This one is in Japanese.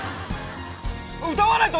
歌わないと！